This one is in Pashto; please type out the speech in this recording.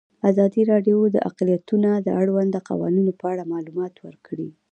ازادي راډیو د اقلیتونه د اړونده قوانینو په اړه معلومات ورکړي.